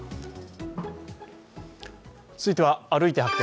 続いては「歩いて発見！